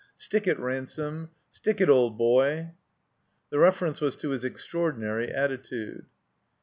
"Stick it, Ransome; stick it, old boy!'' The reference was to his extraordinary attitude.